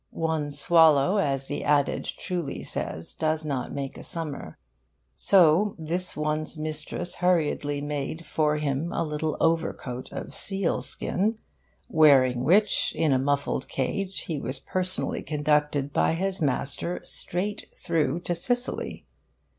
One swallow, as the adage truly says, does not make a summer. So this one's mistress hurriedly made for him a little overcoat of sealskin, wearing which, in a muffled cage, he was personally conducted by his master straight through to Sicily.